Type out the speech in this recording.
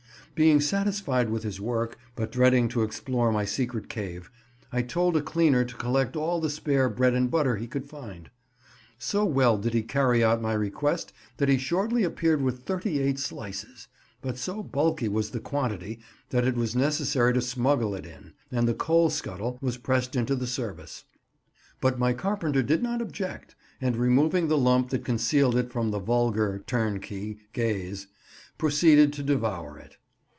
Being satisfied with his work, but dreading to explore my secret cave, I told a cleaner to collect all the spare bread and butter he could find. So well did he carry out my request that he shortly appeared with thirty eight slices, but so bulky was the quantity that it was necessary to smuggle it in, and the coal scuttle was pressed into the service; but my carpenter did not object, and, removing the lump that concealed it from the vulgar (turnkey) gaze, proceeded to devour it.